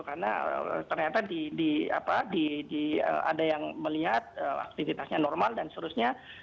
karena ternyata ada yang melihat aktivitasnya normal dan seterusnya